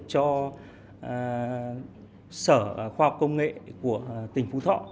cho sở khoa học công nghệ của tỉnh phú thọ